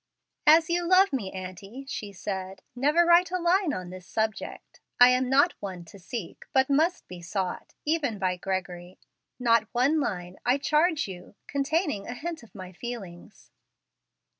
"As you love me, aunty," she said, "never write a line on this subject. I am not one to seek, but must be sought, even by Gregory. Not one line, I charge you, containing a hint of my feelings."